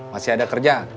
masih ada kerja